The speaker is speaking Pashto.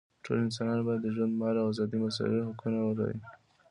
ټول انسانان باید د ژوند، مال او ازادۍ مساوي حقونه ولري.